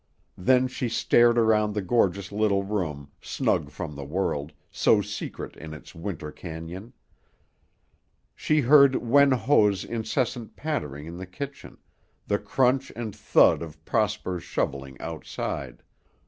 Then she stared around the gorgeous little room, snug from the world, so secret in its winter cañon. She heard Wen Ho's incessant pattering in the kitchen, the crunch and thud of Prosper's shoveling outside.